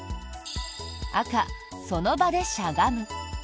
赤、その場でしゃがむ。